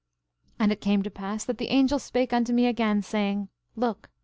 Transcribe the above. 11:32 And it came to pass that the angel spake unto me again, saying: Look!